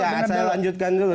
ya saya lanjutkan dulu